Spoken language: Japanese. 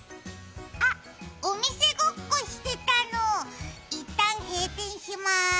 あっ、お店ごっこしてたの、いったん閉店しまーす。